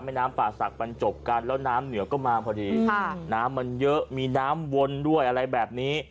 น้ำป่าศักดิบรรจบกันแล้วน้ำเหนือก็มาพอดีน้ำมันเยอะมีน้ำวนด้วยอะไรแบบนี้